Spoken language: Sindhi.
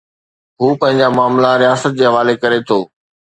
هو پنهنجا معاملا رياست جي حوالي ڪري ٿو.